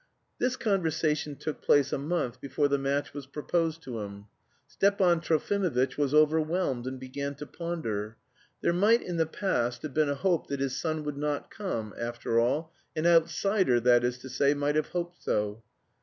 This conversation took place a month before the match was proposed to him. Stepan Trofimovitch was overwhelmed, and began to ponder. There might in the past have been a hope that his son would not come, after all an outsider, that is to say, might have hoped so.